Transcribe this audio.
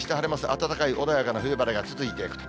暖かい穏やかな冬晴れが続いていくと。